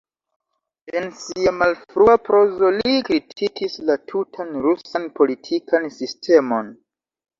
En sia malfrua prozo, li kritikis la tutan rusan politikan sistemon.